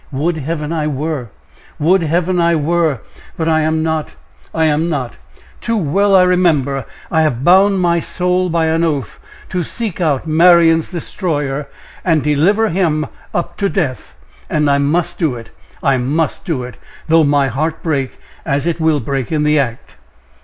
"Would Heaven I were! would Heaven I were! but I am not! I am not! Too well I remember I have bound my soul by an oath to seek out Marian's destroyer, and deliver him up to death! And I must do it! I must do it! though my heart break as it will break in the act!"